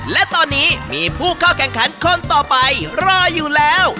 และตอนนี้มีผู้เข้าแข่งขันคนต่อไปรออยู่แล้ว